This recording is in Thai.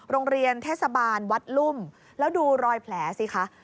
โรงเรียนเทศบาลวัดลุ่มแล้วดูรอยแผลสิคะ